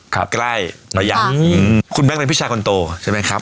ครับใกล้และยังอืมคุณแม่งเป็นพี่ชายคนโตใช่ไหมครับ